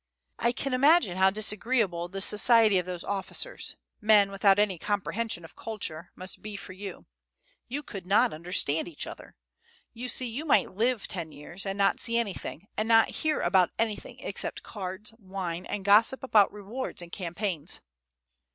"I can imagine how disagreeable the society of those officers men without any comprehension of culture must be for you. You could not understand each other. You see, you might live ten years, and not see anything, and not hear about anything, except cards, wine, and gossip about rewards and campaigns."